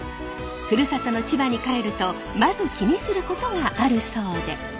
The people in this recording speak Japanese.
ふるさとの千葉に帰るとまず気にすることがあるそうで。